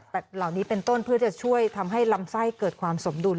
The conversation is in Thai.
แต่เหล่านี้เป็นต้นเพื่อจะช่วยทำให้ลำไส้เกิดความสมดุล